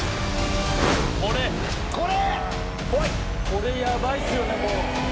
「これやばいですよねもう」